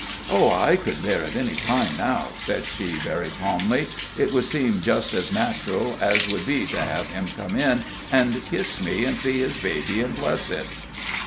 "Oh, I could bear it any time now," said she, very calmly, "It would seem just as natural as could be to have him come in and kiss me, and see his baby and bless it."